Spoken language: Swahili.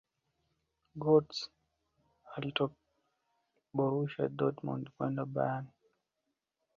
gotze alitoka borusia dortmund kwenda bayern